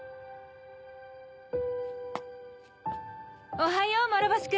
おはよう諸星君。